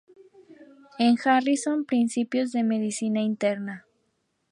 En Harrison Principios de Medicina Interna.